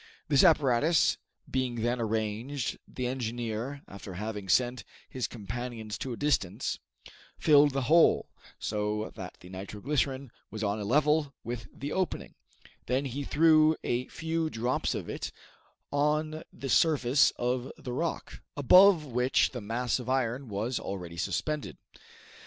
This apparatus being then arranged, the engineer, after having sent his companions to a distance, filled the hole, so that the nitro glycerine was on a level with the opening; then he threw a few drops of it on the surface of the rock, above which the mass of iron was already suspended.